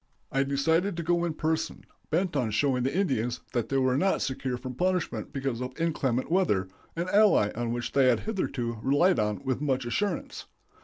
I decided to go in person, bent on showing the Indians that they were not secure from punishment because of inclement weather an ally on which they had hitherto relied with much assurance.